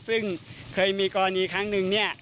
ซึ่งเคยมีกรณีครั้งหนึ่งเนี่ย